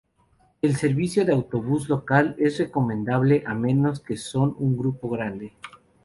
El servicio de autobuses local es recomendable a menos que son un grupo grande.